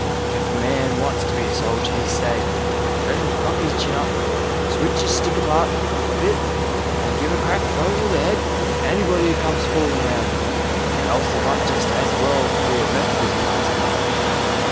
Hif a man wants to be a soldier, hi say, let 'im cock 'is chin hup, switch 'is stick abart a bit, an give a crack hover the 'ead to hanybody who comes foolin' round 'im, helse 'e might just has well be a Methodist parson."